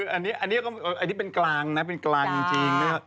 อันนี้เป็นกลางนะเป็นกลางจริง